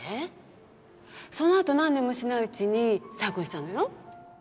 そのあと何年もしないうちに再婚したのよ。